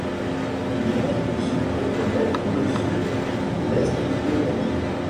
Le Yémen du Sud comprenait tout le sud et tout l'est du Yémen.